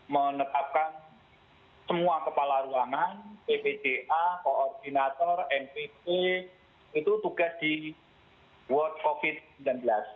menetapkan semua kepala ruangan bpj koordinator npp itu tugas di world covid sembilan belas